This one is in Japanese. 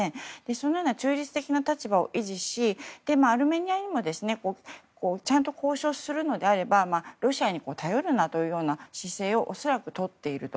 そのような中立的な立場を維持しアルメニアにもちゃんと交渉するのであればロシアに頼るなという姿勢を恐らくとっていると。